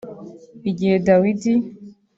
Igihe Dawidi